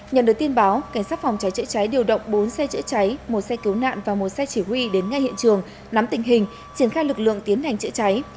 nhận được tin báo cảnh sát phòng cháy chữa cháy điều động bốn xe chữa cháy một xe cứu nạn và một xe chỉ huy đến ngay hiện trường nắm tình hình triển khai lực lượng tiến hành chữa cháy